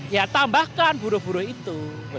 ya tambahkan buruh buruh itu